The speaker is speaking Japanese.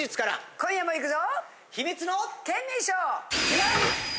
今夜もいくぞ！